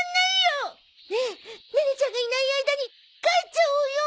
ねえネネちゃんがいない間に帰っちゃおうよ。